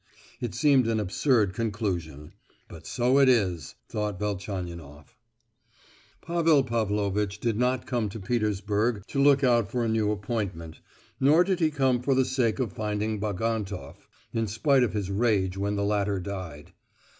"It seems an absurd conclusion; but so it is!" thought Velchaninoff. Pavel Pavlovitch did not come to Petersburg to look out for a new appointment, nor did he come for the sake of finding Bagantoff, in spite of his rage when the latter died.